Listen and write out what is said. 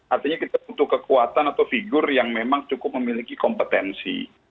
artinya kita butuh kekuatan atau figur yang memang cukup memiliki kompetensi